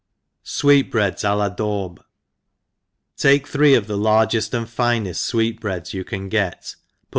Sweet ^Breads a Ia daub. TAKE three of the largeftand fineft fwect breads you can get, put